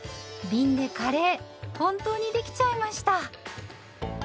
びんでカレー本当にできちゃいました。